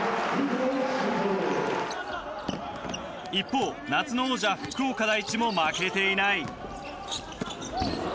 一方、夏の王者・福岡第一も負けていない。